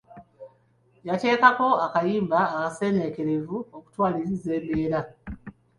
Yateekeko akayimba akaseeneekerevu okutwaliriza embeera.